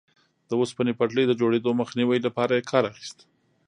د اوسپنې پټلۍ د جوړېدو مخنیوي لپاره یې کار اخیست.